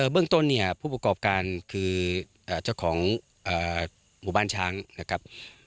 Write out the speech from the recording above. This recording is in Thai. เบื้องต้นเนี่ยผู้ประกอบการคือเจ้าของหมู่บ้านช้างนะครับ